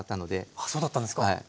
あそうだったんですか。はい。